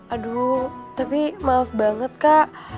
aduh tapi maaf banget kak